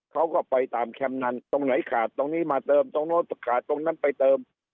เขาก็ไปตามแคมป์นั้นตรงไหนขาดตรงนี้มาเติมตรงโน้นขาดตรงนั้นไปเติม